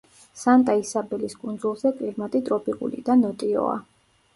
სანტა-ისაბელის კუნძულზე კლიმატი ტროპიკული და ნოტიოა.